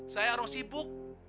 saya orang sibuk